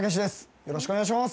よろしくお願いします。